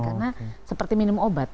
karena seperti minum obat